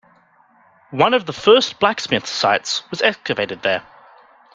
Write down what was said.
One of the first blacksmith's sites was excavated there.